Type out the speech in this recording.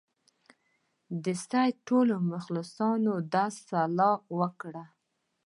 د سید ټولو مخلصانو دا سلا ورکړه.